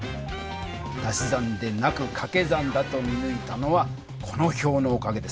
足し算でなくかけ算だと見ぬいたのはこの表のおかげです。